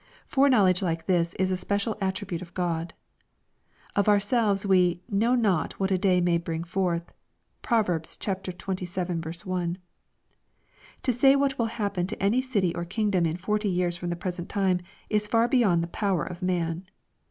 Foreknowledge like this is a special attribute of God. Of ourselves we " know not what a day may bring forth." (Prov. xxvii. 1.) To say what will happen to any city or kingdom in forty years from the present time, is far be yond the power of man.